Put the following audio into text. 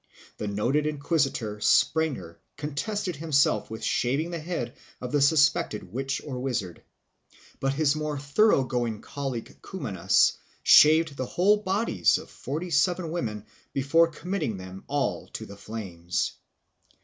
The noted inquisitor Sprenger contented himself with shaving the head of the suspected witch or wizard; but his more thoroughgoing colleague Cumanus shaved the whole bodies of forty seven women before committing them all to the flames.